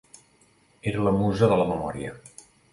Era la musa de la memòria.